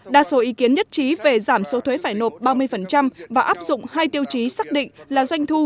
đa số ý kiến nhất trí về giảm số thuế phải nộp ba mươi và áp dụng hai tiêu chí xác định là doanh thu